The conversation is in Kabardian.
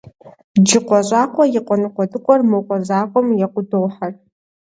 Джыкъуэ щӏакъуэ и къуэ ныкъуэдыкъуэр мо къуэ закъуэм екъуу дохьэр.